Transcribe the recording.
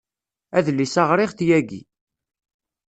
Adlis-a ɣriɣ-t yagi.